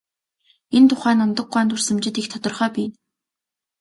Энэ тухай Намдаг гуайн дурсамжид их тодорхой бий.